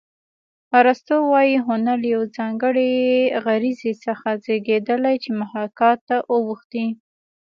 ارستو وايي هنر له یوې ځانګړې غریزې څخه زېږېدلی چې محاکات ته اوښتې